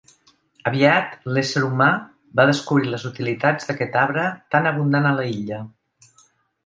Aviat, l'ésser humà va descobrir les utilitats d'aquest arbre tan abundant a l'illa.